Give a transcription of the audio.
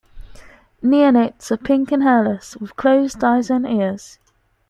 Neonates are pink and hairless, with closed eyes and ears.